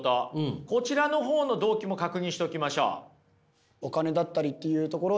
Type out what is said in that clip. こちらのほうの動機も確認しておきましょう。